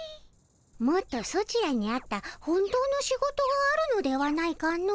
もっとソチらに合った本当の仕事があるのではないかの。